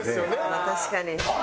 まあ確かに。